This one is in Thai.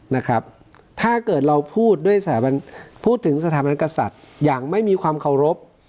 นะครับถ้าเกิดเราพูดด้วยสถาบันพูดถึงสถาบันกษัตริย์อย่างไม่มีความเคารพ